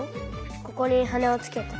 ここにはねをつけた。